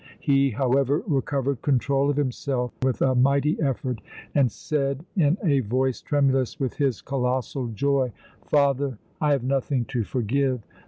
He, however, recovered control of himself with a mighty effort, and said, in a voice tremulous with his colossal joy: "Father, I have nothing to forgive.